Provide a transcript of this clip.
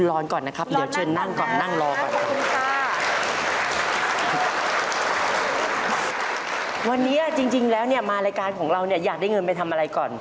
วันนี้จริงแล้วเนี่ยมารายการของเราเนี่ยอยากได้เงินไปทำอะไรก่อน